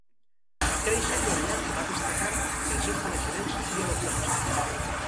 Va créixer i aviat va destacar pels seus coneixements i eloqüència.